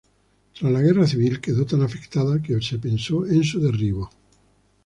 Tras la Guerra Civil quedó tan afectada que se pensó en su derribo.